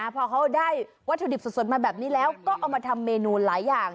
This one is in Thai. พอเขาได้วัตถุดิบสดมาแบบนี้แล้วก็เอามาทำเมนูหลายอย่าง